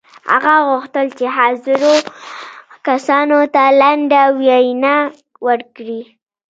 هغه غوښتل چې حاضرو کسانو ته لنډه وینا وکړي